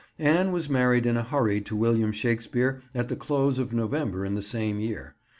Anne was married in a hurry to William Shakespeare at the close of November in the same year.